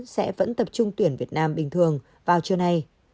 sẽ vẫn tập trung tuyển việt nam bình thường vào trưa nay